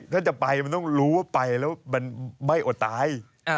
ถ้าจะไปมันต้องรู้ว่าไปแล้วมันไม่อดตาย